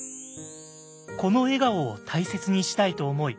この笑顔を大切にしたいと思い